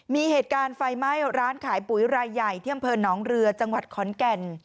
มีเหตุการณ์ไฟไหม้ร้านขายปุ๋ยรายใหญ่ที่อำเภอหนองเรือจังหวัดขอนแก่น